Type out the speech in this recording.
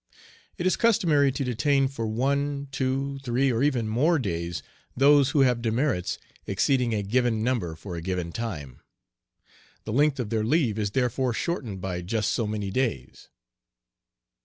It is customary to detain for one, two, three, or even more days those who have demerits exceeding a given number for a given time. The length of their leave is therefore shortened by just so many days.